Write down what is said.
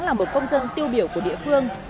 là một công dân tiêu biểu của địa phương